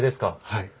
はい。